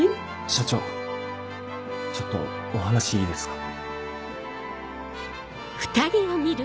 社長ちょっとお話いいですか？